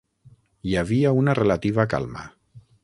Hi havia una relativa calma.